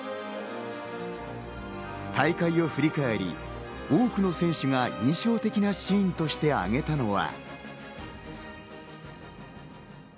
大会を振り返り、多くの選手が印象的なシーンとしてあげたのは。